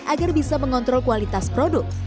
agar bisa mengontrol kualitas produk